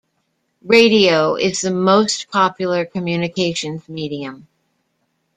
Radio is the most-popular communications medium.